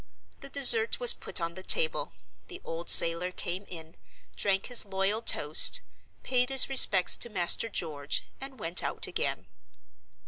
The dessert was put on the table, the old sailor came in, drank his loyal toast, paid his respects to "Master George," and went out again.